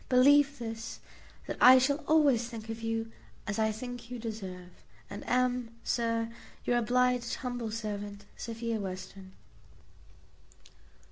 Believe this, that I shall always think of you as I think you deserve, and am, Sir, your obliged humble servant, Sophia Western.